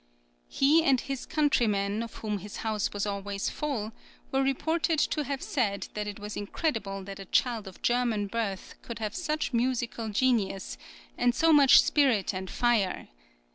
He and his countrymen, of whom his house was always full, were reported to have said that it was incredible that a child of German birth could have such musical genius, and so much spirit and fire.